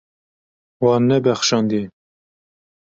Wan nebexşandiye.